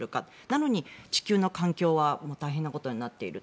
なのに地球の環境は大変なことになっている。